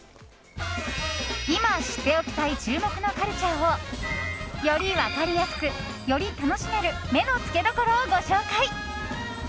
今、知っておきたい注目のカルチャーをより分かりやすく、より楽しめる目のつけどころをご紹介。